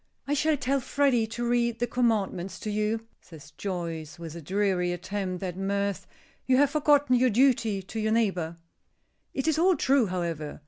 "I shall tell Freddy to read the commandments to you," says Joyce, with a dreary attempt at mirth "you have forgotten your duty to your neighbor." "It is all true, however.